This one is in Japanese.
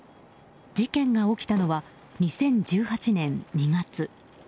事件が起きたのは２０１８年２月。